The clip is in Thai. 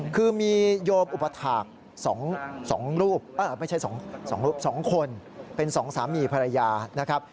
คือมีโยมอุปถาก๒คนเป็น๒สามีภรรยา